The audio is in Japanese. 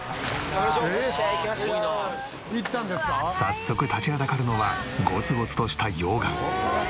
早速立ちはだかるのはゴツゴツとした溶岩。